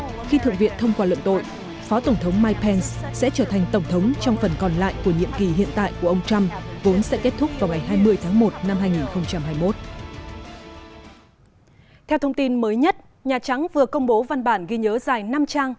theo thông tin mới nhất nhà trắng vừa công bố văn bản ghi nhớ dài năm trang